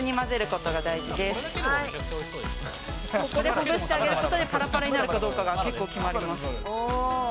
ここでほぐしてあげることで、パラパラになるかどうかが結構決まります。